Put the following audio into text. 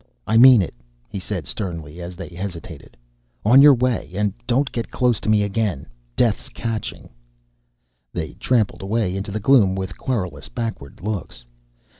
I mean it," he said sternly, as they hesitated. "On your way, and don't get close to me again death's catching!" They tramped away into the gloom, with querulous backward looks.